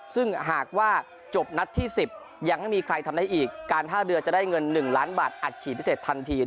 ซึ่งหากว่าจบนัดที่๑๐ยังไม่มีใครทำได้อีกการท่าเรือจะได้เงิน๑ล้านบาทอัดฉีดพิเศษทันที